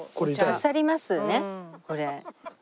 刺さりますよねこれ。